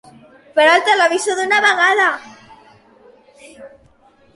Para el televisor d'una vegada!